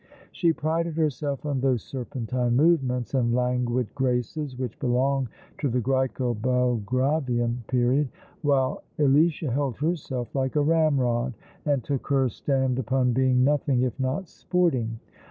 She prided herself on those serpentine movements and languid graces which belong to the Grseco Belgravian period; while Alicia held herself like a ramrod, and took her stand upon being nothing if not sporting.